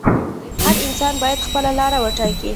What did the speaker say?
هر انسان باید خپله لاره وټاکي.